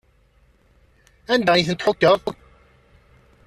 Anda ay ten-tḥukkeḍ?